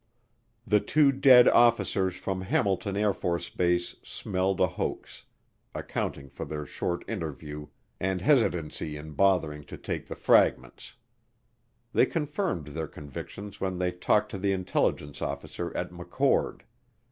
The two dead officers from Hamilton AFB smelled a hoax, accounting for their short interview and hesitancy in bothering to take the "fragments." They confirmed their convictions when they talked to the intelligence officer at McChord.